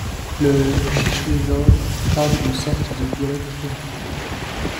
Le Cheech Wizard parle une sorte de dialecte urbain.